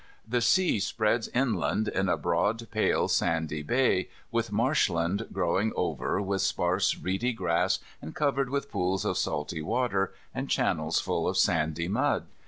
The sea spreads inland in a broad pale sandy bay, with marshland grown over with sparse reedy grass, and covered with pools of salty water, and channels full of sandy mud.